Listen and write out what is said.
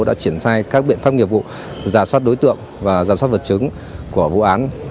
đã triển khai các biện pháp nghiệp vụ giả soát đối tượng và giả soát vật chứng của vụ án